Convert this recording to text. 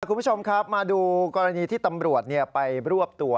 คุณผู้ชมครับมาดูกรณีที่ตำรวจไปรวบตัว